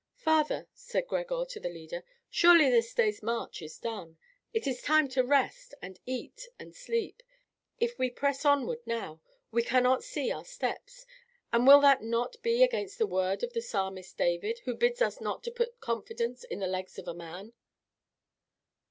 "Father," said Gregor to the leader, "surely this day's march is done. It is time to rest, and eat, and sleep. If we press onward now, we cannot see our steps; and will not that be against the word of the psalmist David, who bids us not to put confidence in the legs of a man?"